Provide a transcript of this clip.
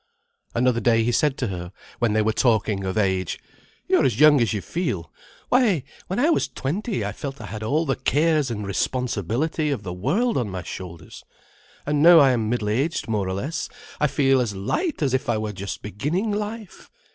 Another day he said to her, when they were talking of age: "You are as young as you feel. Why, when I was twenty I felt I had all the cares and responsibility of the world on my shoulders. And now I am middle aged more or less, I feel as light as if I were just beginning life."